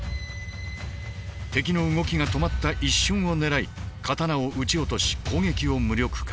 敵の動きが止まった一瞬を狙い刀を打ち落とし攻撃を無力化。